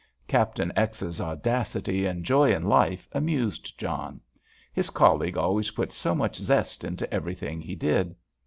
Captain X.'s audacity and joy in life amused John. His colleague always put so much zest into everything he did.